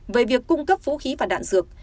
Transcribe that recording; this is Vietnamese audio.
về việc cung cấp vũ khí và đạn dược